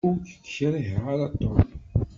Ur k-kriheɣ ara a Tom.